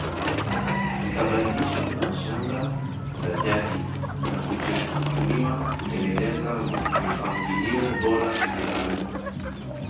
Zikabadilishwa na shanga za jadi na kutumiwa kutengeneza mipangilio bora ya rangi